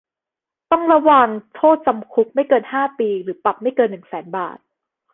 ต้องระวางโทษจำคุกไม่เกินห้าปี หรือปรับไม่เกินหนึ่งแสนบาท